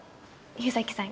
竜崎さん